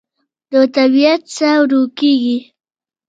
د طبیعت ساه ورو کېږي